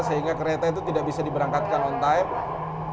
sehingga kereta itu tidak bisa diberangkatkan on time